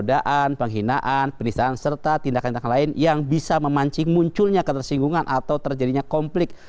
tindakan penodaan penghinaan penisahan serta tindakan tindakan lain yang bisa memancing munculnya ketersinggungan atau terjadinya komplik